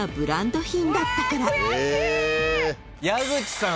矢口さん